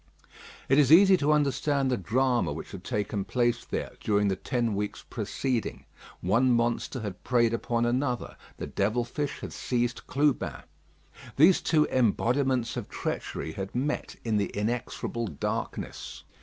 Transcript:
It is easy to understand the drama which had taken place there during the ten weeks preceding. One monster had preyed upon another; the devil fish had seized Clubin. These two embodiments of treachery had met in the inexorable darkness.